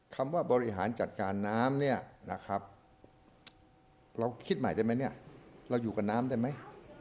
คำว่าบริหารจัดการน้ำเราคิดใหม่ได้มั้ยเราอยู่กับน้ำได้มั้ย